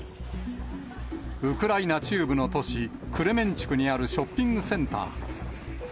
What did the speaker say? ウクライナ中部の都市、クレメンチュクにあるショッピングセンター。